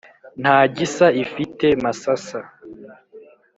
nta gisa ifite masasa